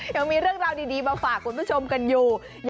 ยังมีเรื่องราวดีมาฝากคุณผู้ชมกันอยู่